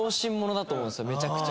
めちゃくちゃ。